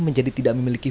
menjadi tidak memenuhi